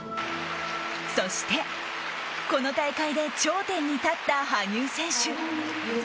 そして、この大会で頂点に立った羽生選手。